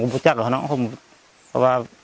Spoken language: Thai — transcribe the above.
ครับอ้านนั้น